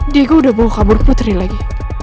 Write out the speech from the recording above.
dego udah bawa kabur putri lagi